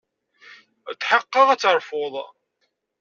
Tḥeqqeɣ ad terfuḍ.